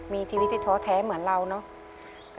มีชีวิตที่ท้อแท้เหมือนเราเนอะ